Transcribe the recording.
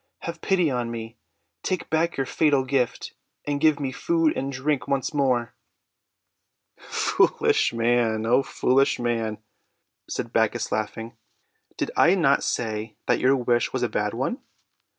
Have pity on me! Take back your fatal gift, and give me food and drink once more!" 278 THE WONDER GARDEN "O foolish man!' said Bacchus, laughing. ;<Did I not say that your wish was a bad one?